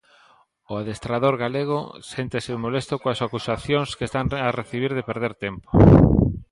O adestrador galego séntese molesto coas acusacións que están a recibir de perder tempo.